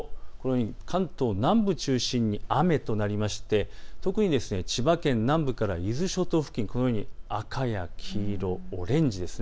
関東南部を中心に雨となり特に千葉県南部から伊豆諸島付近、赤や黄色、オレンジです。